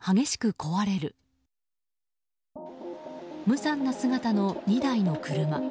無残な姿の２台の車。